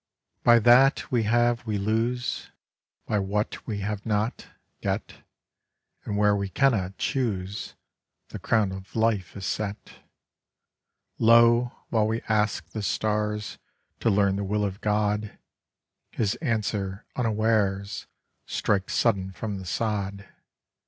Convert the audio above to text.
By that we have we lose; By what we have not, get; And where we cannot choose The crown of life is set. Lo, while we ask the stars To learn the will of God, His answer unawares Strikes sudden from the sod.